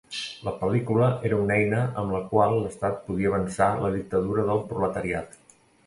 La pel·lícula era una eina amb la qual l'estat podia avançar la dictadura del proletariat.